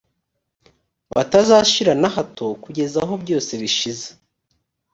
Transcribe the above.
batazashira na hato kugeza aho byose bishize